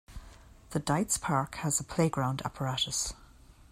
The Dietz Park has a playground apparatus.